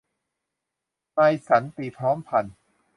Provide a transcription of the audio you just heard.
นายสันติ พร้อมพัฒน์